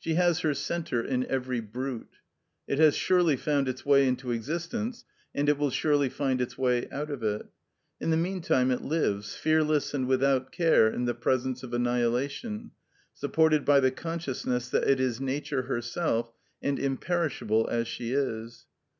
She has her centre in every brute. It has surely found its way into existence, and it will surely find its way out of it. In the meantime it lives, fearless and without care, in the presence of annihilation, supported by the consciousness that it is Nature herself, and imperishable as she is.